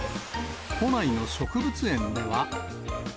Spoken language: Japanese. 都内の植物園では。